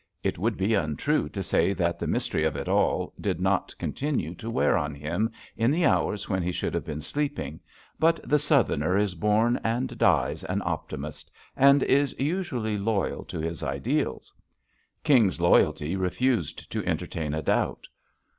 It would be untrue to say that the mystery of it all did not continue to wear on him in the hours when he should have been sleeping, but the Southerner is born and dies an optimist, and is usually loyal to his ideals. King's loyalty refused to entertain a doubt.